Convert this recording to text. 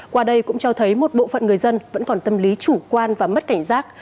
qua đây cũng cho thấy một bộ phận người dân vẫn còn tâm lý chủ quan và mất cảnh giác